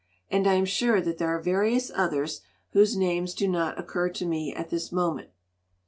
And I am sure that there are vari ous others whose names do not occur to me at this moment."